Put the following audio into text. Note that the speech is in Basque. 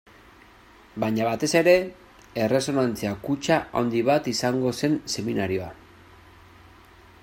Baina batez ere, erresonantzia kutxa handi bat izango zen seminarioa.